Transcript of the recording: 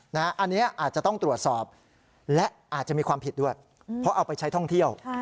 อันนี้อาจจะต้องตรวจสอบและอาจจะมีความผิดด้วยเพราะเอาไปใช้ท่องเที่ยว